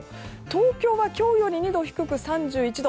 東京は今日より２度低く３１度。